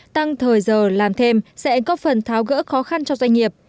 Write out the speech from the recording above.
tăng thời giờ làm thêm sẽ có phần tháo gỡ khó khăn cho doanh nghiệp